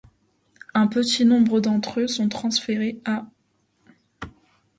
Un petit nombre d'entre eux sont transférés à l'.